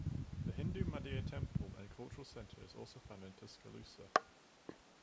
The Hindu Mandir Temple and Cultural Center is also found in Tuscaloosa.